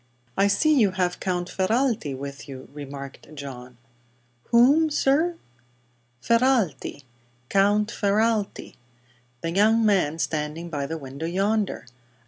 "I see you have Count Ferralti with you," remarked Uncle John. "Whom, sir?" "Ferralti Count Ferralti. The young man standing by the window, yonder."